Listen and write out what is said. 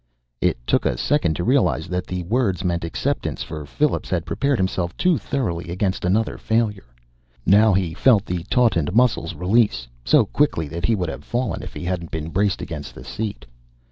It took a second to realize that the words meant acceptance, for Phillips had prepared himself too thoroughly against another failure. Now he felt the tautened muscles release, so quickly that he would have fallen if he hadn't been braced against the seat.